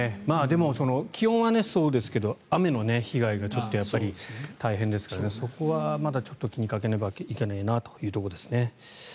気温はそうですけど雨の被害がちょっとやっぱり大変ですからそこはまだちょっと気にかけなければいけないところですね。